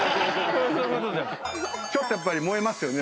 ちょっとやっぱり燃えますよね。